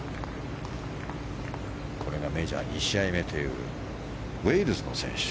これがメジャー２試合目というウェールズの選手